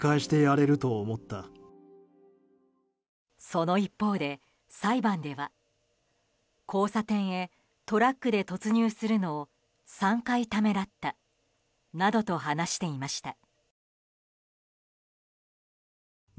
その一方で裁判では交差点へトラックで突入するのを３回ためらったなどと話していました。